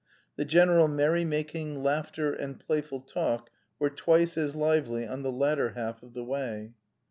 The general merrymaking, laughter, and playful talk were twice as lively on the latter half of the way.